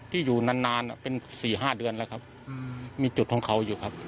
อยู่นานเป็น๔๕เดือนแล้วครับมีจุดของเขาอยู่ครับ